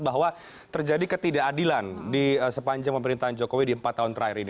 bahwa terjadi ketidakadilan di sepanjang pemerintahan jokowi di empat tahun terakhir ini